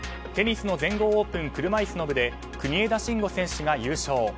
テニスの全豪オープン車いすの部で国枝慎吾選手が優勝。